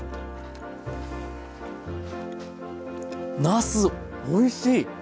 なすおいしい！